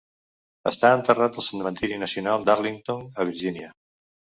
Està enterrat al cementiri nacional d'Arlington, a Virgínia.